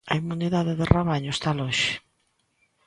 A inmunidade de rabaño está lonxe.